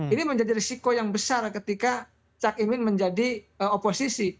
ini menjadi risiko yang besar ketika caimin menjadi oposisi